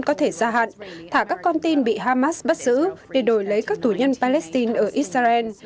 có thể gia hạn thả các con tin bị hamas bắt giữ để đổi lấy các tù nhân palestine ở israel